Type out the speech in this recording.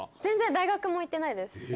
全然大学も行ってないです